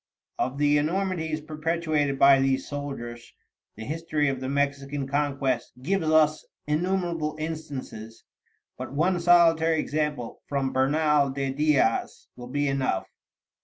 Of the enormities perpetrated by these soldiers, the history of the Mexican conquest gives us innumerable instances; but one solitary example, from Bernal de Diaz, will be enough.